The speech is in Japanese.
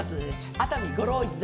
熱海五郎一座